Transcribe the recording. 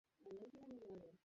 ফলে তার শরীর পুড়ে যেত।